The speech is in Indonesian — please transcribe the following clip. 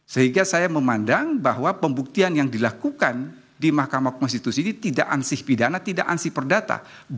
sehingga saya memandang bahwa pembuktian yang dilakukan di mahkamah konstitusi ini tidak ansih pidana tidak ansih perdata